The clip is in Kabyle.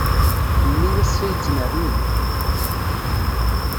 Mmi ass-a yettnerni.